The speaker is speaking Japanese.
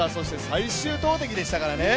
最終投てきでしたからね。